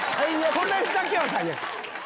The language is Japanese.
これだけは避ける。